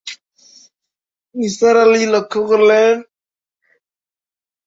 নিসার আলি লক্ষ্য করলেন, তার চোখের নিচে কালি পড়েছে।